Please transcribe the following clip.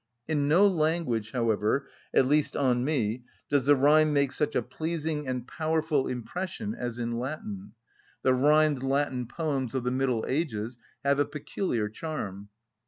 In no language, however, at least on me, does the rhyme make such a pleasing and powerful impression as in Latin; the rhymed Latin poems of the Middle Ages have a peculiar charm.